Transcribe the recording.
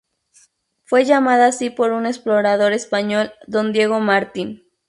Fue llamada así por un explorador español Don Diego Martín.